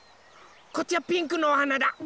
こっちはピンクのおはなだ！